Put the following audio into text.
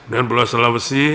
dan pulau sulawesi